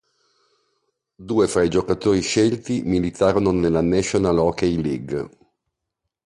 Due fra i giocatori scelti militarono nella National Hockey League.